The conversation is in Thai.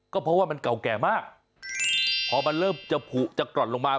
ก็เพราะว่ามันเก่าแก่มากพอมันเริ่มจะผูกจะกร่อนลงมา